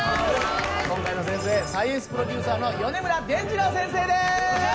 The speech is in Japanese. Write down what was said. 今回の先生サイエンスプロデューサーの米村でんじろう先生です。